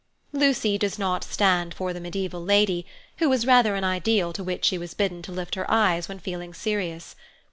Lucy does not stand for the medieval lady, who was rather an ideal to which she was bidden to lift her eyes when feeling serious.